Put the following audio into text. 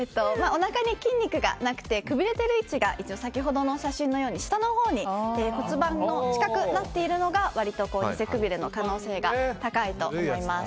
おなかに筋肉がなくてくびれている位置が先ほどの写真のように下のほうに骨盤の近くなっているのが割とニセくびれの可能性が高いと思います。